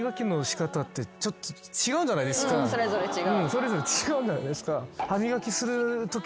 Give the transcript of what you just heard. それぞれ違うじゃないですか。